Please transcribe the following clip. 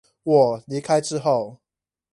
我離開之後